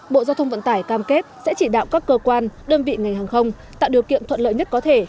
bộ giao thông vận tải cam kết sẽ chỉ đạo các cơ quan đơn vị ngành hàng không tạo điều kiện thuận lợi nhất có thể